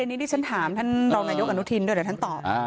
อันนี้ที่ฉันถามท่านรองนายกอนุทินด้วยเดี๋ยวท่านตอบ